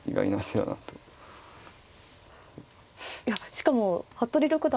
しかも服部六段